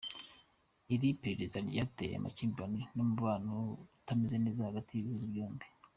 Iri perereza ryateye amakimbirane n'umubano utameze neza hagati y'ibihugu byombi.